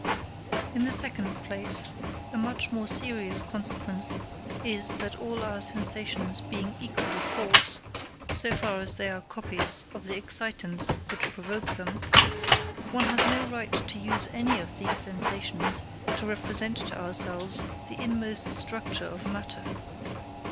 In the second place, a much more serious consequence is that all our sensations being equally false, so far as they are copies of the excitants which provoke them, one has no right to use any of these sensations to represent to ourselves the inmost structure of matter.